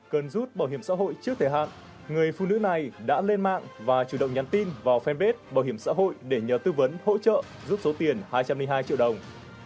cần rút bảo hiểm xã hội trước thời hạn người phụ nữ này đã lên mạng và chủ động nhắn tin vào fanpage bảo hiểm xã hội để nhờ tư vấn hỗ trợ giúp số tiền hai trăm linh hai triệu đồng